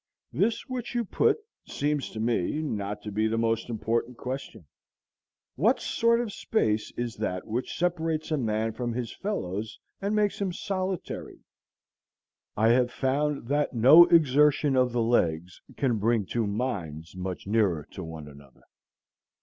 This which you put seems to me not to be the most important question. What sort of space is that which separates a man from his fellows and makes him solitary? I have found that no exertion of the legs can bring two minds much nearer to one another.